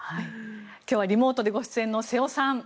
今日はリモートでご出演の瀬尾さん